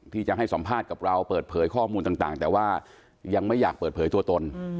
ที่จะให้สัมภาษณ์กับเราเปิดเผยข้อมูลต่างแต่ว่ายังไม่อยากเปิดเผยตัวตน